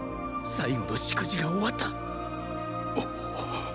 最後の祝辞が終わった！！